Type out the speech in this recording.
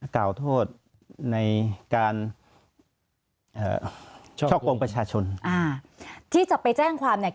กล่าวโทษในการเอ่อช่อกงประชาชนอ่าที่จะไปแจ้งความเนี่ย